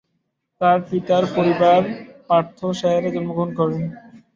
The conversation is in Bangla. তাঁর পিতার পরিবার পার্থশায়ারে জন্মগ্রহণ করেন।